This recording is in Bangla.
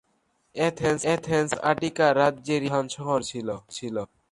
এথেন্স আটিকা রাজ্যেরই প্রধান শহর ছিল।